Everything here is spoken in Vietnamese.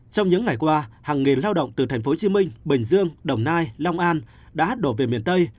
trong những ngày qua hàng nghìn lao động từ tp hcm bình dương đồng nai long an đã đổ về miền tây